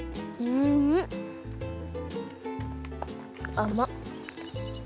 あまっ。